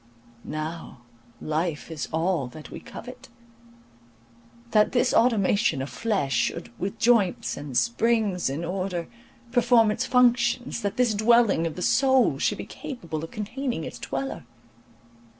Now life is all that we covet; that this automaton of flesh should, with joints and springs in order, perform its functions, that this dwelling of the soul should be capable of containing its dweller.